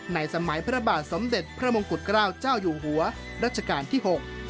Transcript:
สมัยพระบาทสมเด็จพระมงกุฎเกล้าเจ้าอยู่หัวรัชกาลที่๖